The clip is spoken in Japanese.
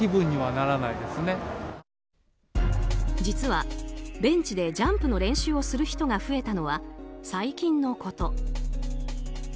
実は、ベンチでジャンプの練習をする人が増えたのは最近のこと。